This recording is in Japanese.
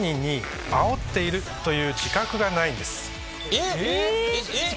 えっ⁉